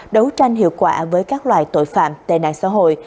đấu tranh hiệu quả với các loại tội phạm tệ nạn xã hội